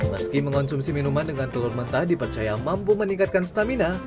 meski mengonsumsi minuman dengan telur mentah dipercaya mampu meningkatkan stamina